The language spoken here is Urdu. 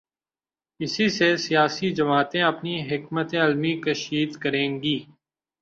اسی سے سیاسی جماعتیں اپنی حکمت عملی کشید کریں گی۔